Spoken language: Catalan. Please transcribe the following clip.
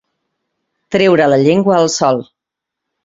Treure la llengua al sol.